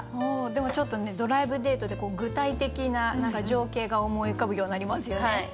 でもちょっと「ドライブデート」で具体的な情景が思い浮かぶようになりますよね。